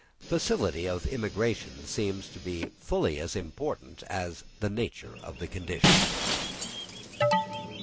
Facility of immigration seems to have been fully as important as the nature of the conditions.